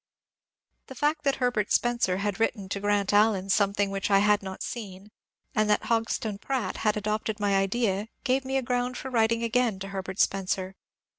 The fact that Herbert Spencer had written to Grant Allen something which I had not seen, and that Hodgson Pratt had adopted my idea, gave me a ground for writing again to VOL. u 450 MONCURE DANIEL CONWAY Herbert Spencer.